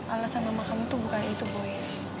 alesan mama kamu tuh bukan itu boy